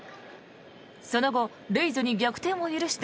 その後、レイズに逆転を許した